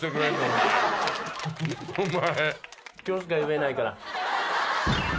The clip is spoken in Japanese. お前。